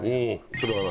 それは何？